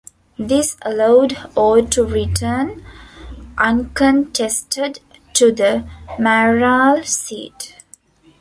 This allowed Orr to return uncontested to the mayoral seat.